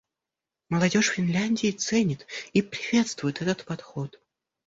Молодежь Финляндии ценит и приветствует этот подход.